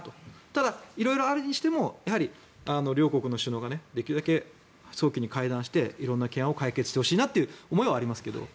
ただ、色々あるにしてもやはり両国の首脳ができるだけ早期に会談して色んな懸案を解決してほしいという思いはありますけど。